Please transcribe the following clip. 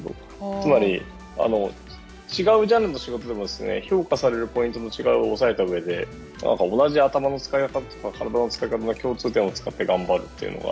つまり、違うジャンルの仕事でも評価されるポイントの違いを押さえたうえで同じ頭の使い方とか体の使い方の共通点を使って頑張るというのが。